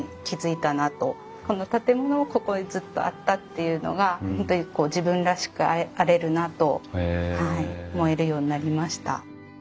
この建物がここにずっとあったっていうのが本当に自分らしくあれるなと思えるようになりました。